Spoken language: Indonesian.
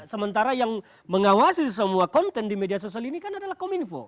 sementara yang mengawasi semua konten di media sosial ini kan adalah kominfo